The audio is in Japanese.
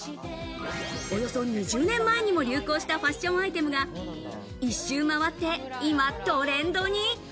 およそ２０年前にも流行したファッションアイテムが、一周回って、今トレンドに。